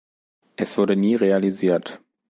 Es wurde nie realisiert.